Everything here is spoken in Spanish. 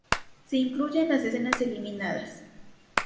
Se incluye en las escenas eliminadas.